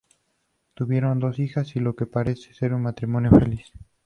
Tuvieron dos hijas y lo que parece ser un matrimonio feliz.